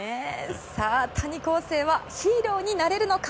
さあ、谷晃生はヒーローになれるのか。